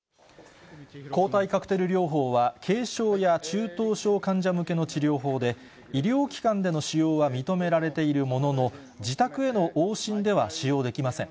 抗体カクテル療法は、軽症や中等症患者向けの治療法で、医療機関での使用は認められているものの、自宅への往診では使用できません。